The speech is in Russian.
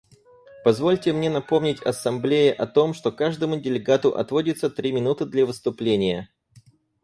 Позвольте мне напомнить Ассамблее о том, что каждому делегату отводится три минуты для выступления.